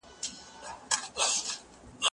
زه مخکي سبزیجات جمع کړي وو؟